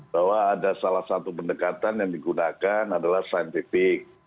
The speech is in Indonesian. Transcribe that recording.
bahwa ada salah satu pendekatan yang digunakan adalah scientific